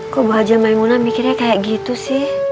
kok bu hajar maimunah mikirnya kayak gitu sih